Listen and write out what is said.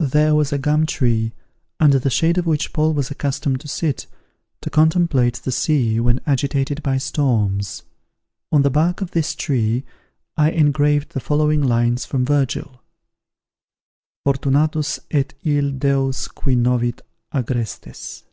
There was a gum tree, under the shade of which Paul was accustomed to sit, to contemplate the sea when agitated by storms. On the bark of this tree, I engraved the following lines from Virgil: Fortunatus et ille deos qui novit agrestes!